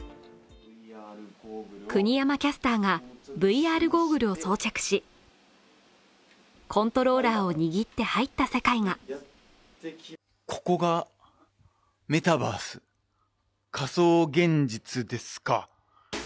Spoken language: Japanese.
国山キャスターがＶＲゴーグルを装着し、コントローラーを握って入った世界がここが、メタバース仮想現実ですか。